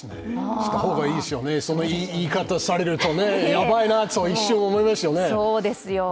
した方がいいですよね、その言い方されると、ヤバいなと一瞬、思いますよね。